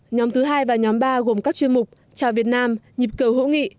nhóm thứ hai và nhóm ba gồm các chuyên mục trà việt nam nhịp cầu hữu nghị